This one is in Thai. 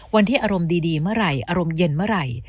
วันที่อารมณ์ดีเมื่อไหร่อารมณ์เย็นเมื่อไหร่